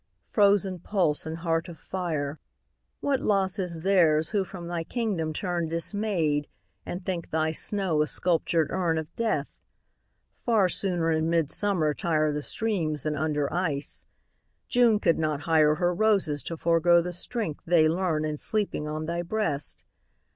frozen pulse and heart of fire, What loss is theirs who from thy kingdom turn Dismayed, and think thy snow a sculptured urn Of death! Far sooner in midsummer tire The streams than under ice. June could not hire Her roses to forego the strength they learn In sleeping on thy breast.